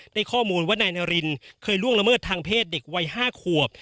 ได้ข้อมูลว่านายนารินเคยล่วงละเมิดทางเพศเด็กวัย๕ขวบ